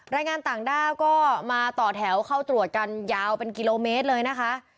แรงงานต่างด้าวก็มาต่อแถวเข้าตรวจกันยาวเป็นกิโลเมตรเลยนะคะ